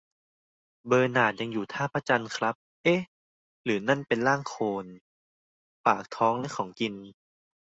เบอร์นาร์ดยังอยู่ท่าพระจันทร์ครับ เอ๊ะ หรือนั่นเป็นร่างโคลน ! ? ปากท้องและของกิน